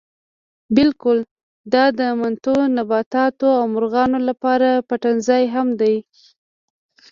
بلکې دا د متنوع نباتاتو او مارغانو لپاره پټنځای هم دی.